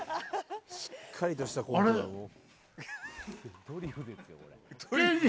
しっかりとしたコントだもう。